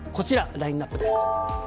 ラインアップです。